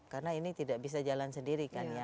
karena ini tidak bisa jalan sendiri kan ya